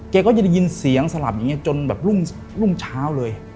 ก็จะได้ยินเสียงสลับอย่างนี้จนแบบรุ่งเช้าเลย